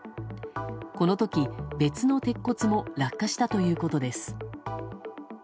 この時、別の鉄骨も落下したということです。